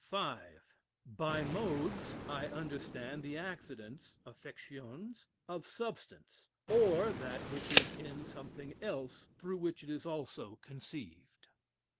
V. By modes I understand the accidents (affectiones) of substance; or that which is in something else, through which also it is conceived.